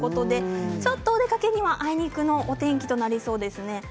ちょっとお出かけにはあいにくのお天気となりそうですね。